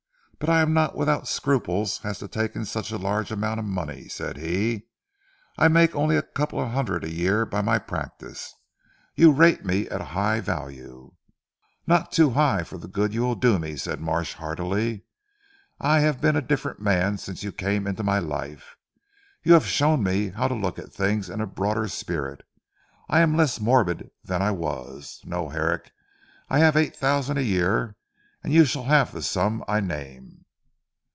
"But I am not without scruples as to taking such a large amount of money," said he. "I make only a couple of hundred a year by my practice. You rate me at a high value." "Not too high for the good you will do me," said Marsh heartily. "I have been a different man since you came into my life. You have shown me how to look at things in a broader spirit. I am less morbid than I was. No, Herrick. I have eight thousand a year, and you shall have the sum I name."